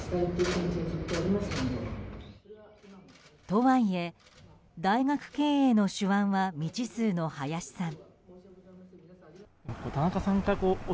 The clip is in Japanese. とはいえ、大学経営の手腕は未知数の林さん。